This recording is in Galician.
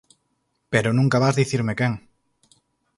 Pero nunca vas dicirme quen.